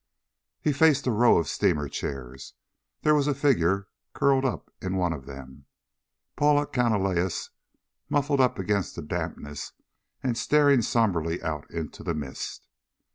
He faced a row of steamer chairs. There was a figure curled up in one of them. Paula Canalejas, muffled up against the dampness and staring somberly out into the mist.